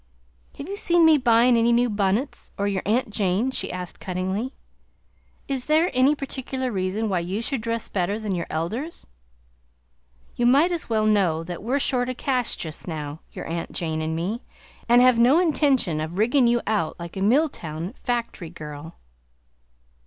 "Have you seen me buyin' any new bunnits, or your Aunt Jane?" she asked cuttingly. "Is there any particular reason why you should dress better than your elders? You might as well know that we're short of cash just now, your Aunt Jane and me, and have no intention of riggin' you out like a Milltown fact'ry girl."